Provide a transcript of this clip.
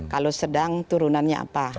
kalau sedang turunannya apa